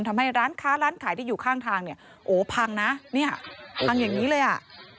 ทำให้ร้านค้าร้านขายที่อยู่ข้างทางเนี่ยโอ้พังนะเนี่ยพังอย่างนี้เลยอ่ะ